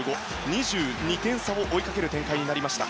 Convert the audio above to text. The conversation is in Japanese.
２２点差を追いかける展開になりました。